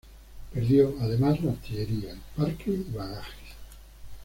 Perdió, además, la artillería, el parque y bagajes.